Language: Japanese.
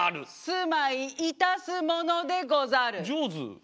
「住まいいたすものでござる」。